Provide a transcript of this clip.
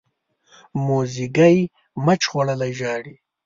موزیګی مچ خوړلی ژاړي.